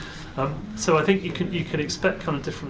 jadi saya pikir anda bisa mengharapkan hal hal yang berbeda untuk berlaku